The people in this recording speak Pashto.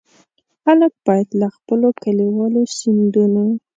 خلک باید له خپلو کلیوالو سیندونو.